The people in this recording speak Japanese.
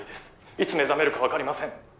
いつ目覚めるか分かりません